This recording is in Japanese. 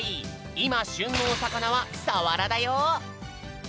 いましゅんのおさかなはさわらだよ！